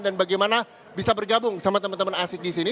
dan bagaimana bisa bergabung sama temen temen asik disini